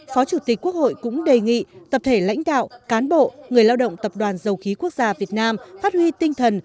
phó chủ tịch quốc hội cũng đề nghị tập thể lãnh đạo cán bộ người lao động tập đoàn dầu khí quốc gia việt nam phát huy tinh thần